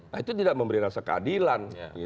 nah itu tidak memberi rasa keadilan